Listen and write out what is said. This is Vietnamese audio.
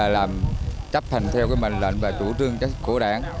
làm chấp hành theo mệnh lệnh và chủ trương của đảng